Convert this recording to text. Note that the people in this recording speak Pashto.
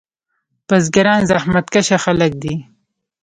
بزګران زحمت کشه خلک دي.